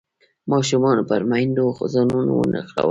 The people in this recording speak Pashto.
ماشومانو پر میندو ځانونه ونښلول.